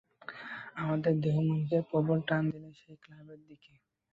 আমার দেহমনকে প্রবল টান দিলে সেই ক্লাসের দিকে।